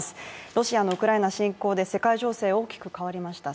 ロシアのウクライナ侵攻で世界情勢は大きく変わりました。